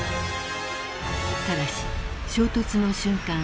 ［ただし衝突の瞬間